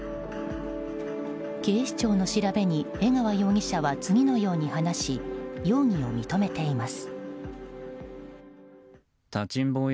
警視庁の調べに江川容疑者は次のように話し容疑を認めています。